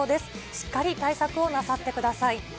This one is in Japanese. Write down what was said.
しっかり対策をなさってください。